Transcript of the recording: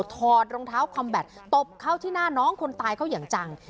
ถอดรองเท้าคอมแบตตบเข้าที่หน้าน้องคนตายเขาอย่างจัง